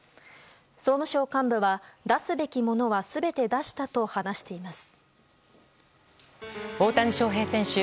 総務省幹部は出すべきものは全て出したと話しています。